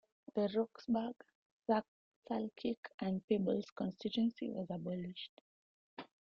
The Roxburgh, Selkirk and Peebles constituency was abolished.